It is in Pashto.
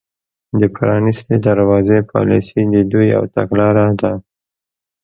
د پرانیستې دروازې پالیسي د دوی یوه تګلاره ده